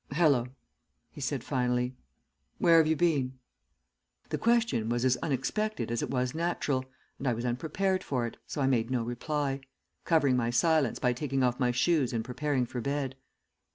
"'Hallo,' he said finally. 'Where have you been?' "The question was as unexpected as it was natural, and I was unprepared for it, so I made no reply, covering my silence by taking off my shoes and preparing for bed.